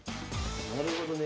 なるほどね。